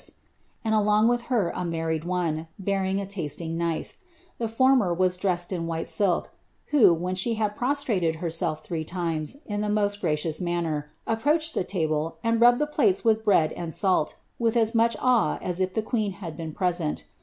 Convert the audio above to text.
»s,) and along with her a married one, bearing a tasting knife; liw former was dressed in white silk, who, when she had prostrated ben*\i three times, in the most graceful manner, approached the table, and inly bed the plates with bread and salt, with as much awe as if the qwta had been present.